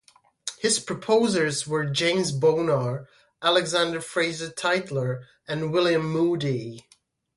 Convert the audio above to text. His proposers were James Bonar, Alexander Fraser Tytler, and William Moodie.